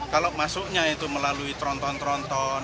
kalau masuknya itu melalui tronton tronton